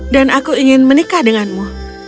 dan aku ingin menikah denganmu